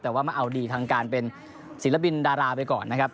แต่ว่ามาเอาดีทางการเป็นศิลปินดาราไปก่อนนะครับ